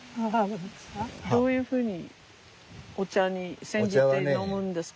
どういうふうにお茶に煎じて飲むんですか？